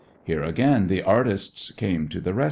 Here again the artists came to the rescue.